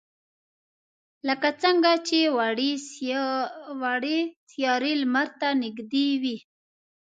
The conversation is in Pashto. لکه څنگه چې وړې سیارې لمر ته نږدې وي.